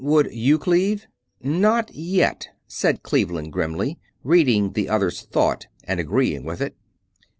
"Would you, Cleve?" "Not yet," said Cleveland, grimly, reading the other's thought and agreeing with it.